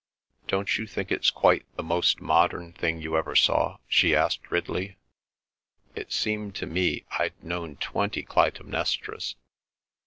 Don't you think it's quite the most modern thing you ever saw?" she asked Ridley. "It seemed to me I'd known twenty Clytemnestras.